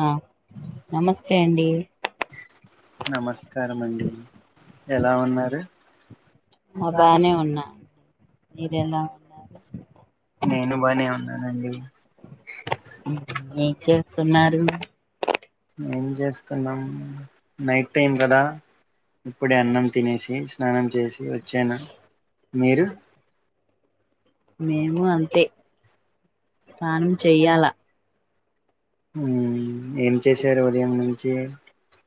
ఆ నమస్తే అండి నమస్కారమండి ఎలా ఉన్నారు మా బానే ఉన్నా మీరేలా ఉన్నారు నేను బానే ఉన్నానండి ఏం చేస్తున్నారు ఏం చేస్తున్నాం నైట్ టైం కదా ఇప్పుడే అన్నం తినేసి స్నానం చేసి వచ్చాను మీరు మేము అంతే స్నానం చెయ్యాల ఉ ఏం చేశారు ఉదయం నుంచి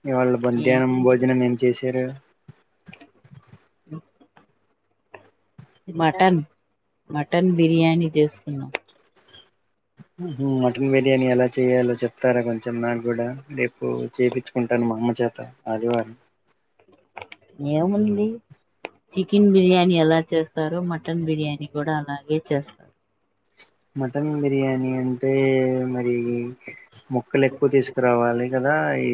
ఇవాళ బధ్యానం ఏముంది భోజనం ఏం చేశారు ఉ మటన్ మటన్ బిర్యానీ చేసుకున్నాం ఉహు మటన్ బిర్యానీ ఎలా చేయాలో చెప్తారా కొంచెం నాకు కూడా రేపు చెప్పిచ్చుకుంటాను మా అమ్మ చేత ఆదివారం ఏముంది చికెన్ బిర్యానీ ఎలా చేస్తారో మటన్ బిర్యానీ కూడా అలాగే చేస్తారు మటన్ బిర్యానీ అంటే మరి ముక్కలు ఎక్కువ తీసుకురావాలి కద ఈ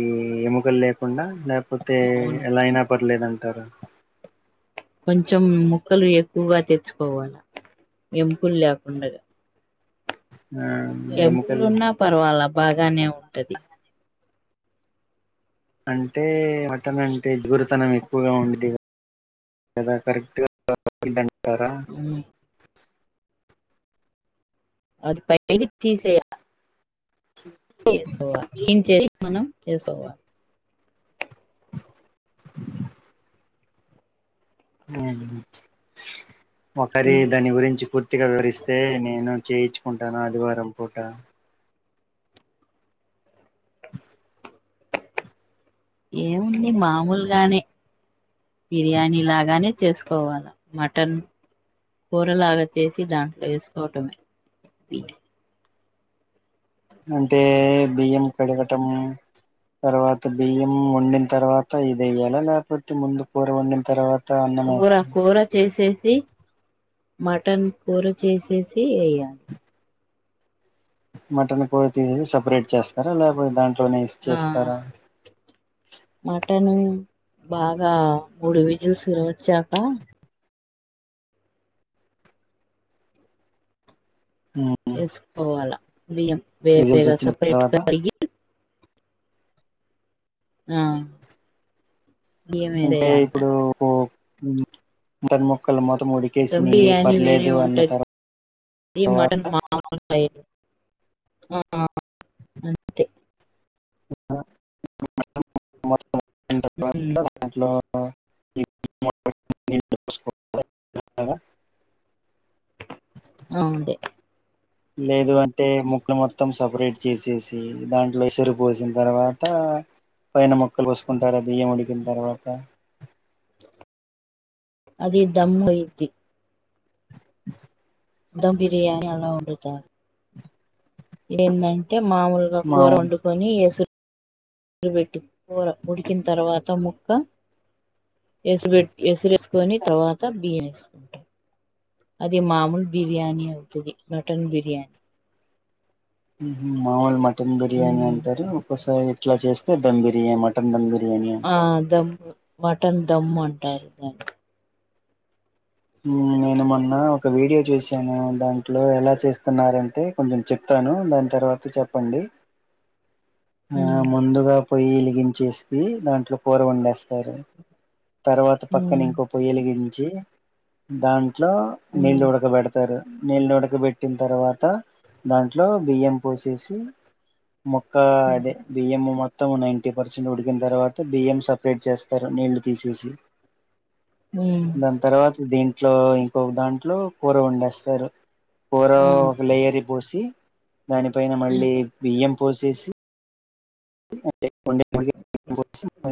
ఎముకలు లేకుండా లేకపోతే అవును ఎలా అయినా పర్ పర్లేదంటారు కొంచెం ముక్కలు ఎక్కువగా తెచ్చుకోవాలి ఎంపులు లేకుండగా ఆ ఎముకలు ఎంపులున్నా పర్వాలా బాగానే ఉంటది అంటే మటన్ అంటే దూరితనం ఎక్కువగా ఉండిది దా కరెక్ట్గా ఉ అది బయటకి తీసేయ వా మనం చేసవ అవును ఒకరి దాని గురించి పూర్తిగా వివరిస్తే నేను చేయిచ్చు కుంటాను ఆదివారం పూట ఏముంది మామూలుగానే బిర్యానీ లాగానే చేసుకోవాల మటన్ కూరలాగా చేసి దాంట్లో వేసుకోవటమే అంటే బియ్యం కడగటము [inaudible] తర్వాత బియ్యం వండిన తర్వాత ఇదియ్యాల లేకపోతే ముందు కూర వండిన తర్వాత అన్నం కూర కూర వేస్త చేసేసి మటన్ కూర చేసేసి వేయాలి మటన్ కోడి తీసేసి సపరేట్ చేస్తారా. లేకపోతే దాంట్లోనే ఇస్ ఆ చేస్తారా. మటన్ బాగా మూడు విజల్స్ వచ్చాక వేసుకోవాలా బియ్యం విజిల్స్ వేరవేగా వచ్చిన తర్వాత సపరేటగా ఆ బియ్యం అంటే వేరేయాలి ఇప్పుడు ఓర్ మక్కల మొతం దమ్ ఉడికేసినై బిర్యానీ వేరే పర్లేదు అన్న ఉంటది తర్వాత అ అంతే మొత్తం ఉడికిన ఉమ్ తర్వాత దాంట్లో నీళ్ళు పసుపు [unintelligible] అవ్ అండి లేదు అంటే ముక్కలు మొత్తం సపరేట్ చేసేసి దాంట్లో ఎసరిపోసిన తర్వాత అంత పైన మొక్కలు ఒసుకుంటారా బియ్యం ఉడికిన తర్వాత అది దమ్ అయిద్ది త ఏందంటే మామూలుగా మా కూర వండుకొని ఎసురు కూర పెట్టి కూర ఉడికిన తర్వాత ముక్క ఎసురు ఎసురేసుకొని తర్వాత బియ్యం వేసుకుంటారు అది మామూలు బిర్యానీ అవుతది. బటన్ బిర్యానీ మామూలు మటన్ బిర్యానీ ఉమ్ అంటారు. ఒకసారి ఇట్లా చేస్తే ధమ్ బిర్యానీ మటన్ ధమ్ బిర్యా ఆ దమ్ మటన్ దమ్ అంటారు దాన్ని నేను మొన్న ఒక వీడియో చూశాను. దాంట్లో ఎలా చేస్తున్నరు అంటే కొంచెం చెప్తాను. ను దాని తర్వాత చెప్పండి. అ ఆ ముందుగా పోయి వెలిగించేసి దాంట్లో కూర వండేస్తారు. తర్వాత ఉమ్ పక్కన ఇంకో పొయ్య వెలిగించి దాన్ ఇంట్లో ఉమ్ నీళ్ళు ఉడకబడతారు. నీళ్ళు ఉడకబెట్టిన తర్వాత దాంట్లో బియ్యం పోసేసి మొక్క అదే బియ్యం మొత్తం నైన్టి పర్సెంట్ ఉడికిన తర్వాత, బియ్యం సపరేట్ చేస్తారు. నీళ్లు తీసేసి ఉమ్ దాని తర్వాత దీంట్లో ఇంకొక దాంట్లో కూర వండేస్తారు. కూర ఆ ఒక లేయర్ పోసి దానిపైన మళ్ళీ బియ్యం పోసేసి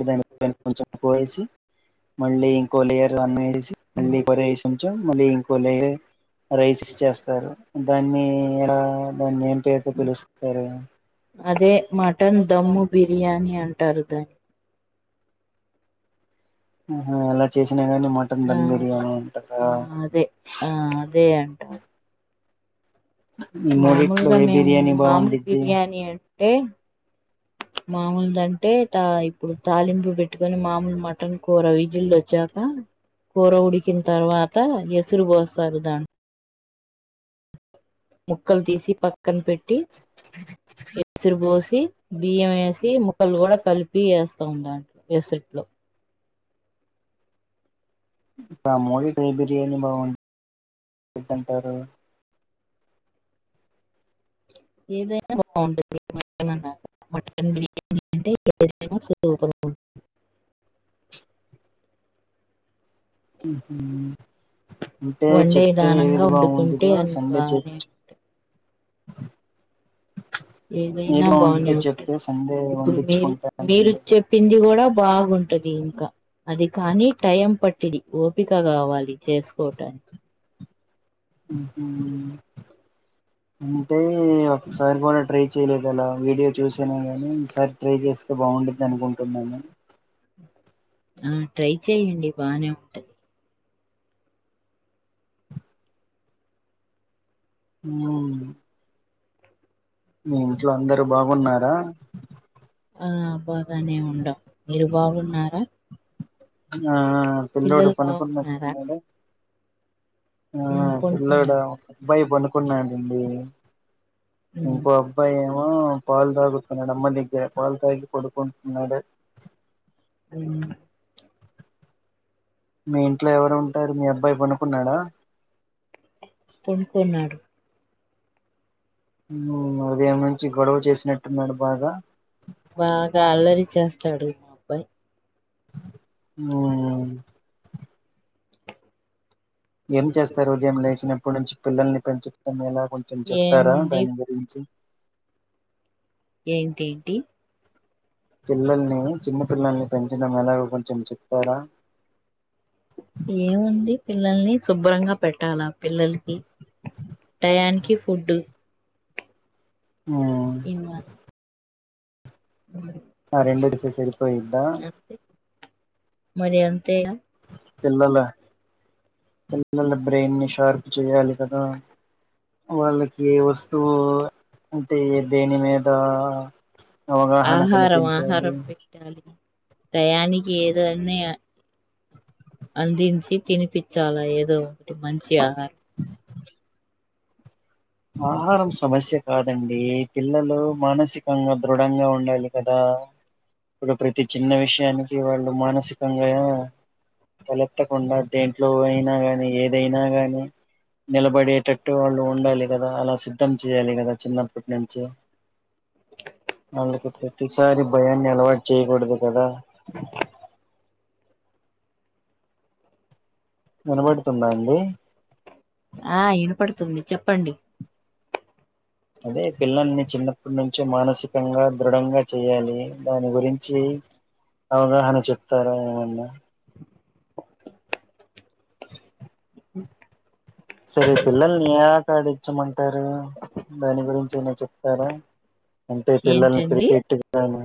దాని కొంచెం పోేసి [unintelligible] మళ్ళీ ఇంకో లేయర్ అన్నమేసి మళ్ళీ కొర వేసంచం మళ్ళీ ఇంకో లేయర్ రైస్ చేస్తారు దాన్ని ఇడ దాన్ని ఏ పేరుతో పిలుస్తారు. అమ్ము బిర్యానీ అంటారు దాని ఆహా అలా చేసినా గానీ మటన్ ఆ ధన్ బిర్యానీ అంటుందా. ఆ అదే ఆ అదే అంటారు ఈ మూడిట్లో మామూలుగా ఏ మేము బిర్యానీ మామూలు బాగుండిద్ది బిర్యానీ అంటే మాముూలు దంటే తా ఇప్పుడు తాలింపు పెట్టుకొని మామూలు మటన్ కూర విజిలు వచ్చాక కూర ఉడికిన తర్వాత ఎసురు పోస్తారు దాంట్లో ముక్కలు తీసి పక్కన పెట్టి ఎసురుబోసి బియ్యం వేసి ముక్కలు కూడా కలిపి వేస్తాం దాంట్లో ఎసుట్లో ఇ రామోళ ట్రై బిర్యానీ బాగుంటది అంటారు [unintelligible] ఇద బా [unintelligible] మటన్ బిర్యానీ అంటేైు [unintelligible] [inaudible] హుమ్ ఉంటే వండే చెప్తే విధానంగా ఏది వండుకుంటే బాగుంటదో అన్ని సండే చెప బానే ఏదైనా ఏది బాగనే బాగుండిద్దో ఉంటది చెప్తే సండే ఇప్పుడు మీరు వండించుకుంటానండి మీరు చెప్పింది కూడా బాగుంటది ఇంకా అది కానీ టైం పట్టిది ఓపిక కావాలి చేసుకోటానికి హ్ అ అంటే ఒకసారి కూడా ట్రై చేయలేదు అలా వీడియో చూసేనే గానీ ఈసారి ట్రై చేస్త బాగుండది అనుకుంటున్నాను ఆ ట్రై చెయ్యండి బానే ఉంటయి అ మీ ఇంట్లో అందరు బాగున్నారా ఆ బాగానే ఉండాం మీరు బాగున్నారా ఆ పిల్లోడు పిల్లలు బాగున్నారా పనుకున్నట్టున్నాడు ఆ ఉమ్ పిల్లోడు పనుకున్నారు ఒక అబ్బాయి పనుకున్నాడండి ఉమ్ ఇంకో అబ్బాయి ఏమో పాలు తాగుతున్నాడు అమ్మ దగ్గర పాలు తాగి పడుకుంటున్నాడు ఆ మీ ఇంట్లో ఎవరు ఉంటారు మీ అబ్బాయి పనుకున్నాడా పనుకున్నాడు ఉ ఉదయం నుంచి గొడవ చేసినట్టున్నాడు బాగా బాగా అల్లరి చేస్తాడు మా అబ్బాయి ఆ ఏం చేస్తారు ఉదయం లేచినప్పటి నుంచి పిల్లల్ని పెంచుకునేలా కొంచెం చెప్తారా ఏముంది దాని గురించి ఏంటేంటి పిల్లల్ని చిన్నపిల్లల్ని పెంచడం ఎలాగో కొంచెం చెప్తారా ఏముంది పిల్లల్ని శుభ్రంగా పెట్టాల పిల్లలకి టయానికి ఫుడ్డు ఏ వాత [unintelligible] ఆ రెండు డిసిస్ సరిపోయిద్దా మరి అంతేగా పిల్లల పిల్లల బ్రెయిన్ ని షార్ప్ చేయాలి కదా వాళ్ళకి ఏ వస్తువు అంటే దేని మీద అవగాహన ఆహారం కనిపించాలి ఆహారం పెట్టాలి టయానికి ఏదన్నే అందించి తినిపిచాల ఏదో ఒకటి మంచి ఆహారం ఆహారం సమస్య కాదండి పిల్లలు మానసికంగా దృఢంగా ఉండాలి కదా ఇప్పుడు ప్రతి చిన్న విషయానికి వాళ్ళు మానసికంగా తలెత్తకుండా దేంట్లో అయినా గాని ఏదైనా గాని నిలబడేటట్టు వాళ్ళు ఉండాలి గదా అలా సిద్ధం చేయాలి గదా చిన్నప్పుట్నించి వాళ్ళకి ప్రతిసారి భయాన్ని ఆలవాటు చేయగుడదు గదా వినబడుతుందా అండి ఆ ఇనపడుతుంది చెప్పండి అదే పిల్లల్ని చిన్నప్పుట్నుంచి మానసికంగా దృఢంగా చెయ్యాలి దాని గురించి అవగాహన చెప్తారా ఏమన్నా సరే పిల్లల్నియా కాడ్డిచ్చమంటారు దాని గురించి ఏన్న చెప్తార అంటే పిల్లల్ని కిర్ ఏంటండి కెట్టు గానీ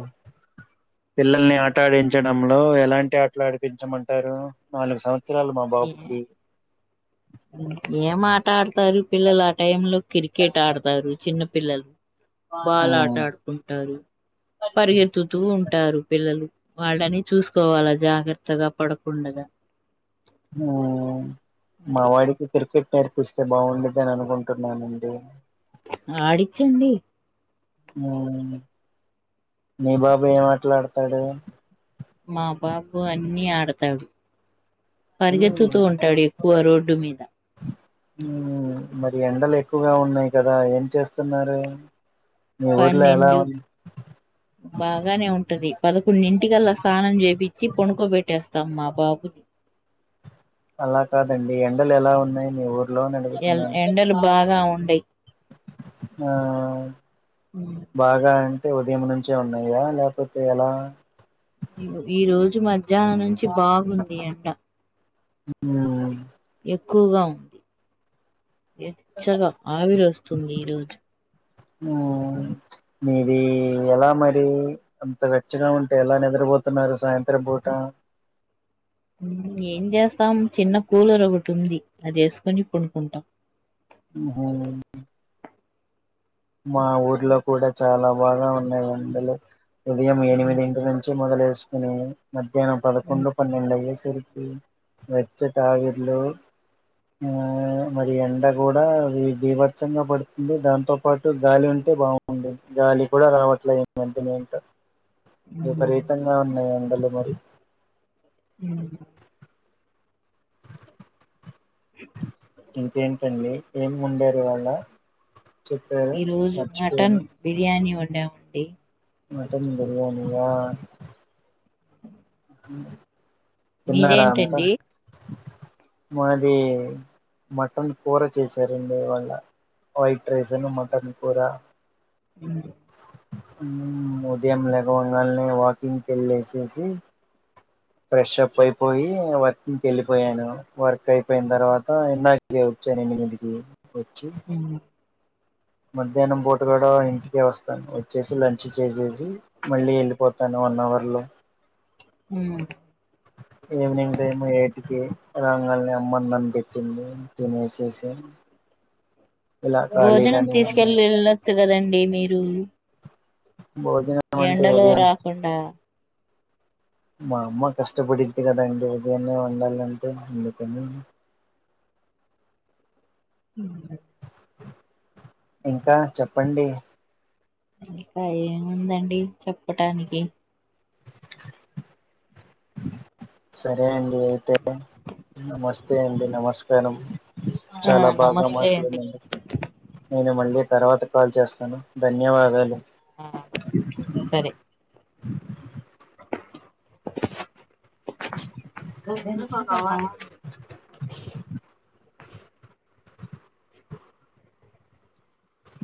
పిల్లల్ని ఆటాడించడంలో ఎలాంటి ఆట్లు ఆడిపించమంటారు నాలుగు ఇచ్చరాల మా ఏ బాబుకి ఏం ఆటాడతారు పిల్లలు ఆ టైంలో కిర్కెట్ ఆడతారు చిన్న పిల్లలు బాల్ ఆట మ్మ్ ఆడుకుంటారు పరిగెత్తుతూ టారు పిల్లలు వాళ్ళని చూసుకోవాలా జాగర్తగా పడకుండగా అది మావాడికి కిర్కెట్ నేర్పిస్తే బావుండుది అని అనుకుంటున్నానండి ఆడిచ్చండి మీ బాబు ఏం ఆట్లాడతాడు మా బాబు అన్నీ అడతాడు పరిగెత్తుతూ మ్మ్ ఉంటాడు ఎక్కువ రోడ్డు మీద మ్మ్ మరి ఎండలు ఎక్కువగా ఉన్నాయి కదా ఏం చేస్తున్నారు మీ ఊర్లో ఎలా ఉం అ బాగానే ఉంటది పదకొండు ఇంటికల్లా స్నానం చేప్పిచి పొనుకో పెట్టేస్తాం మా బాబుని [inaudible] అలా కాదండి ఎండలెలా ఉన్నాయి నీ ఊ ఎల్ ఎండలు బాగా ఉండయి ఆ బాగా అంటే ఉదయం నుంచే ఉన్నయా లేకపోతే ఎలా ఈ రోజు మధ్యాహ్నం నుంచి బాగుంది ఎండ ఆ ఎక్కువగా ఉంది ఎచ్చగా ఆవిరొస్తుంది ఈరోజు మా మీది ఎలా మరి అంత వెచ్చగా ఉంటే ఎలా నిద్రబోతున్నారు సాయంత్రం పూట ఏం చేస్తాం చిన్న కూలర్ ఒగటుంది అదేసుకొని పొనుకుంటాం ఊహ మా ఊర్లో కూడా చాలా బాగా ఉన్నాయి ఎండలు ఉదయం ఎనిమిదింటి నుంచి మొదలేసుకుని మధ్యాహ్నం పదకొండు పన్నెండు అయ్యే తరికి వెచ్చ టాయిర్లు ఆ మరి ఎండ గూడా అది బీభత్సం గా పడుతుంది దాంతో పాటు గాలి ఉంటే బాగుండేంది గాలి కూడా రావట్లే మధ్యనే ఏంటో విపరీతంగా ఉన్నాయి ఎండలు మరి అ [inaudible] ఇంకేంటండి ఏం వండారూ ఇవాళ చెప్పారు ఈ రోజు మటన్ మర్చిపోయాను బిర్యానీ వండామండి మటన్ బిర్యానీ యా అ మీదేంటండి మాది మటన్ కూర చేసారండి ఇవాళ వైట్ రైస్ అను మటన్ కూర [inaudible] ఉం ఉదయం లేగవంగాల్నే వాకింగ్ కేళ్ళిసేసి ఫ్రెష్ అప్ అయిపోయి వర్క్ంగ్కి వెళ్ళిపోయాను వర్క్ అయిపోయిన తర్వాత ఇందాకే వచ్చాను ఎనిమిది ఇంటికి వచ్చి ఉమ్ మధ్యాహ్నం పూట కూడ ఇంటికే వస్త వచ్చేసి లంచ్ చేసేసి మళ్ళీ వెళ్ళిపోతాను వన్ అవర్ లో ఉమ్ ఈవ్నింగ్ టైమ్ ఎయిట్కి రాంగాల్నే అమ్మ అన్నం పెట్టింది తినేసేసి ఇలా భోజనం ఖాళీగానే ఉన్నా తీసుకెళ్లి వెళ్ళొచ్చు కదండి మీరు భోజనం అంటే ఎండలో ఉదయం రాకుండా మా అమ్మ కష్టపడిది కదండి ఉదయాన్నే వండాలంటే ఎందుకని [inaudible] ఇంకా చెప్పండి ఇంకా ఏముందండి చెప్పటానికి [inaudible] సరే అండి అయితే నమస్తే అండి నమస్కారం ఆ చాలా బాగా నమస్తే అండి మాట్లానండి నేను మళ్ళీ తర్వాత కాల్ చేస్తాను ధన్యవాదాలు ఆ సరే గ భగవాన్ [unintelligible]